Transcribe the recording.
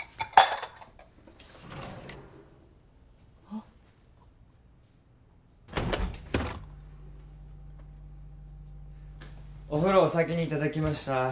あっお風呂お先にいただきました